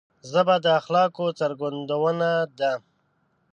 ژبه د اخلاقو څرګندونه ده